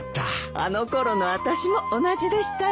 あの頃のあたしも同じでしたよ。